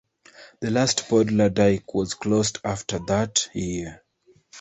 The last polder dyke was closed after that year.